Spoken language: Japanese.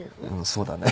そうだね。